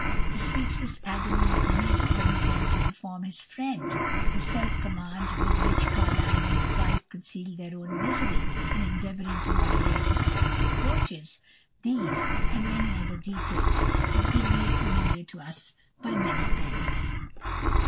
The speechless agony of Mill when he went to inform his friend, the self command with which Carlyle and his wife concealed their own misery in endeavouring to moderate his self reproaches these and many other details have been made familiar to us by many pens.